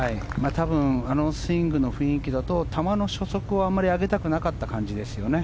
多分、あのスイングの雰囲気だと球の初速をあまり上げたくなかった感じですよね。